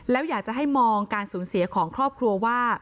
แล้วอยากจะให้มองการสูญเสียของครอบครัวว่า